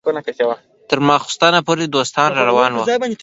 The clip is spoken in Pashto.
تر ماخستنه پورې دوستان راروان وو.